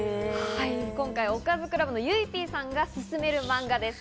今回、おかずクラブのゆいＰさんがすすめるマンガです。